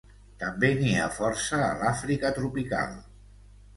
També n'hi ha força a l'Àfrica tropical.